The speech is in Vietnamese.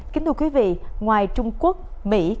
kính thưa quý vị ngoài trung quốc mỹ